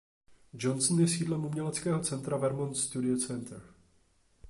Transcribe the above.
Johnson je sídlem uměleckého centra Vermont Studio Center.